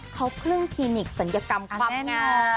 เขาพึ่งธีมิตรศัลยกรรมความเงิน